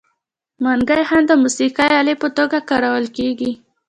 منګی هم د موسیقۍ الې په توګه کارول کیږي.